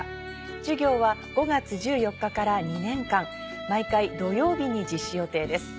授業は５月１４日から２年間毎回土曜日に実施予定です。